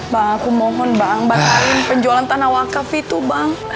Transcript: bang aku mohon bang batarin penjualan tanah wakaf itu bang